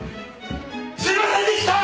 すいませんでした！